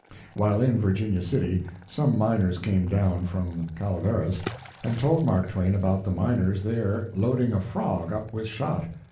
While in Virginia City, some miners came down from Calaveras, and told Mark Twain about the miners there loading a frog up with shot.